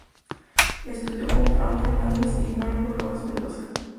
Estudió con Frank Fernández y Margot Rojas Mendoza.